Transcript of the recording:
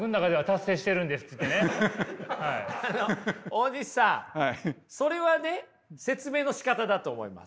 大西さんそれはね説明のしかただと思います。